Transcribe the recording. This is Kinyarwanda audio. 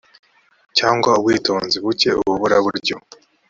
cyangwa ubwitonzi buke ububuraburyo